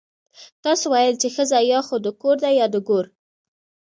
تاسو ويل چې ښځه يا خو د کور ده يا د ګور.